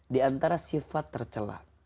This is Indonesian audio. di antara sifat tercelah